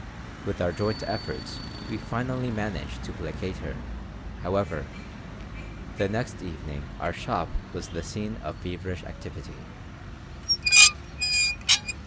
'" With our joint efforts we finally managed to placate her, however, and the next evening our shop was the scene of feverish activity.